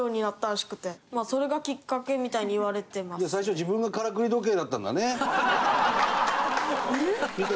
じゃあ最初自分がからくり時計だったんだね。